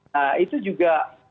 nah itu juga